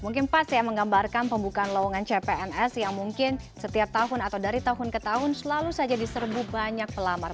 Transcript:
mungkin pas ya menggambarkan pembukaan lowongan cpns yang mungkin setiap tahun atau dari tahun ke tahun selalu saja diserbu banyak pelamar